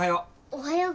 おはよう。